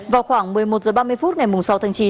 vào khoảng một mươi một h ba mươi phút ngày sáu tháng chín